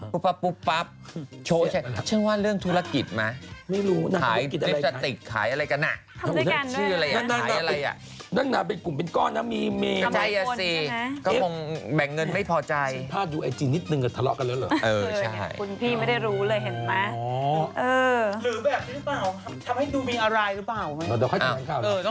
หรือแบบนี้หรือเปล่าทำให้ดูมีอะไรหรือเปล่าเดี๋ยวค่อยถามอีกครั้งเออเดี๋ยวค่อยถามอีกครั้ง